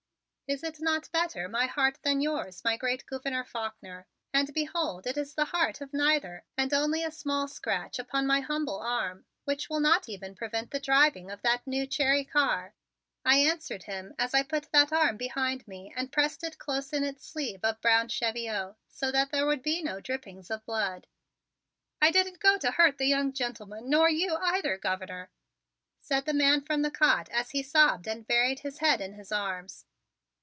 "Is it not better my heart than yours, my great Gouverneur Faulkner? And behold it is the heart of neither and only a small scratch upon my humble arm, which will not even prevent the driving of that new Cherry car," I answered him as I put that arm behind me and pressed it close in its sleeve of brown cheviot so that there would be no drippings of blood. "I didn't go to hurt the young gentleman nor you either, Governor," said the man from the cot as he sobbed and buried his head in his arms.